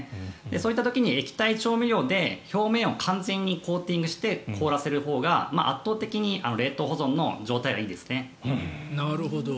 そういった時に液体調味料で表面を完全にコーティングして凍らせるほうが圧倒的に冷凍保存の状態はいいですね。